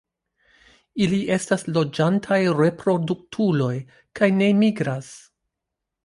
Ili estas loĝantaj reproduktuloj kaj ne migras.